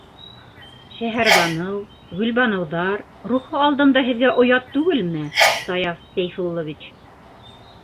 - Шәһәрбаныу, Гөлбаныуҙар рухы алдында һеҙгә оят түгелме, Саяф Сәйфуллович?